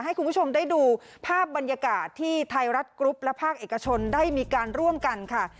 ให้คุณผู้ชมได้ดูภาพบรรยากาศที่ไทยรัฐกรุ๊ปและภาคเอกชนได้มีการร่วมกันค่ะ